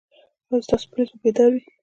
ایا ستاسو پولیس به بیدار وي؟